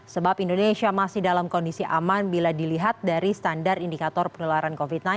sebab indonesia masih dalam kondisi aman bila dilihat dari standar indikator penularan covid sembilan belas